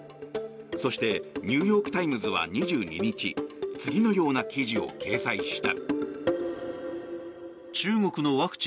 そして、ニューヨーク・タイムズは２２日次のような記事を掲載した。